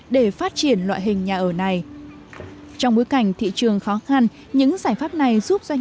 để phát triển loại hình nhà ở này trong bối cảnh thị trường khó khăn những giải pháp này giúp doanh